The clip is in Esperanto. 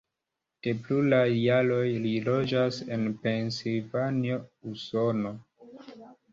De pluraj jaroj li loĝas en Pensilvanio, Usono.